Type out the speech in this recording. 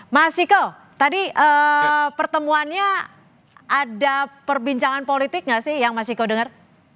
mas ciko tadi pertemuannya ada perbincangan politik nggak sih yang mas ciko dengar